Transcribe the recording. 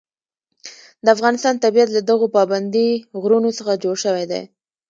د افغانستان طبیعت له دغو پابندي غرونو څخه جوړ شوی دی.